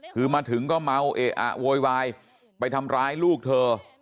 คือมาถึงก็เมาเอะอะโวยวายไปทำร้ายลูกเธอ